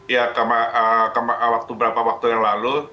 ya beberapa waktu yang lalu